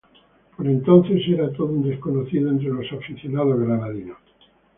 Por entonces, era todo un desconocido entre los aficionados granadinos.